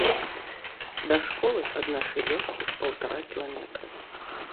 Да школы ад нашай вёскі паўтара кіламетры.